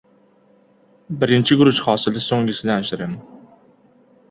• Birinchi guruch hosili so‘nggisidan shirin.